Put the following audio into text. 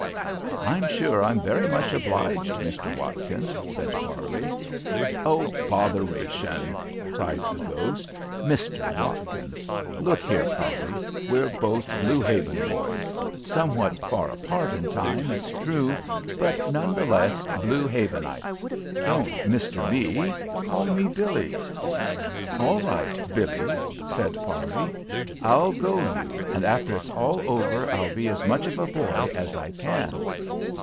"I'm sure I'm very much obliged, Mr. Watkins," said Parley. "Oh, botheration!" cried the ghost. "Mister Watkins! Look here, Parley, we're both Blue Haven boys somewhat far apart in time, it's true, but none the less Blue Havenites. Don't 'mister' me. Call me Billie." "All right, Billie," said Parley. "I'll go you, and after it's all over I'll be as much of a boy as I can."